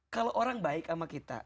kalau orang baik sama kita